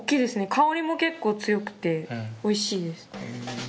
香りも結構強くて美味しいです。